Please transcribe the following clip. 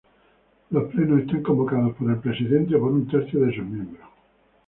Los Plenos son convocados por el presidente o por un tercio de sus miembros.